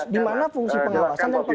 dimana fungsi pengawasan dan pengendalian